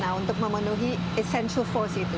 nah untuk memenuhi essential force itu